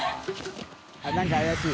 △何か怪しい。